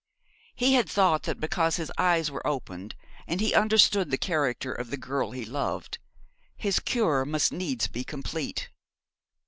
He had thought that because his eyes were opened, and he understood the character of the girl he loved, his cure must needs be complete.